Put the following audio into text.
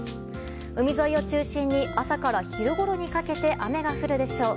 海沿いを中心に、朝から昼ごろにかけて雨が降るでしょう。